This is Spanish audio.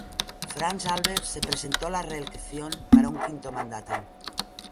France-Albert se presentó a la reelección para un quinto mandato.